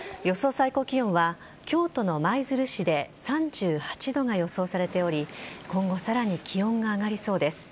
最高気温は京都の舞鶴市で３８度が予想されており今後さらに気温が上がりそうです。